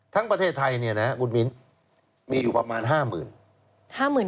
ทั้งประเทศไทยมีอยู่ประมาณ๕๐๐๐๐